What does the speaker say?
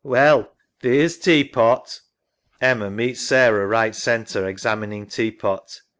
Well, theer's tea pot. EMMA (meets Sarah right center, examining tea pot).